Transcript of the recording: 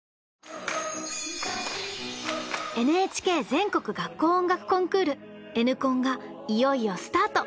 ＮＨＫ全国学校音楽コンクール「Ｎコン」がいよいよスタート！